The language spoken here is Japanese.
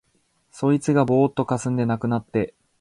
そいつがぼうっとかすんで無くなって、